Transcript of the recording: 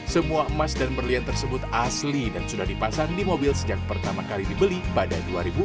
semua emas dan berlian tersebut asli dan sudah dipasang di mobil sejak pertama kali dibeli pada dua ribu empat